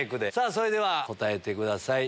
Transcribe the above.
それでは答えてください。